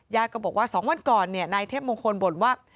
ก็บอกว่า๒วันก่อนนายเทพมงคลบ่นว่า